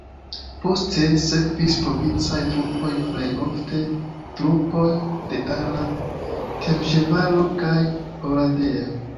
Poste sekvis provincaj trupoj plej ofte trupoj de Arad, Temeŝvaro kaj Oradea.